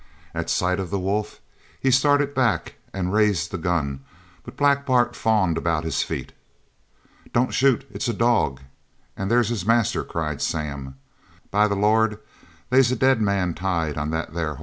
At sight of the wolf he started back and raised the gun, but Black Bart fawned about his feet. "Don't shoot it's a dog, an' there's his master!" cried Sam. "By the Lord, they's a dead man tied on that there hoss!"